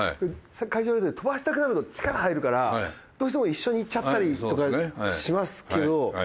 会長の言うとおり飛ばしたくなると力入るからどうしても一緒にいっちゃったりとかしますけど。